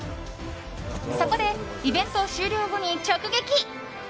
そこで、イベント終了後に直撃！